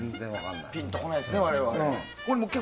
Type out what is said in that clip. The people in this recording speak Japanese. ピンとこないですね、我々。